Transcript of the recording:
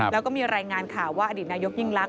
แล้วก็มีรายงานข่าวว่าอดีตนายกยิ่งลักษ